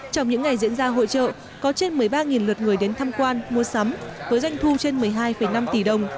trong những ngày diễn ra hội trợ có trên một mươi ba lượt người đến tham quan mua sắm với doanh thu trên một mươi hai năm tỷ đồng